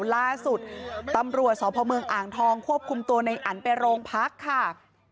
ล่าสุดตำรวจสพเมืองอ่างทองควบคุมตัวในอันไปโรงพักค่ะ